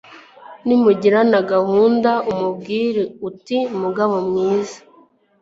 nimugirana gahunda umubwire uti mugabo mwiza